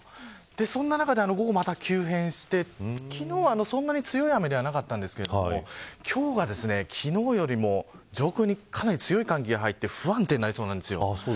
そんな中で午後また急変して昨日はそんなに強い雨ではなかったんですが今日は昨日よりも上空にかなり強い寒気が入って不安定になりそうなんです。